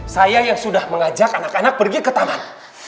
saya yang sudah mengajak anak anak pergi ke taman